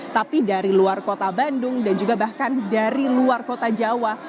tapi dari luar kota bandung dan juga bahkan dari luar kota jawa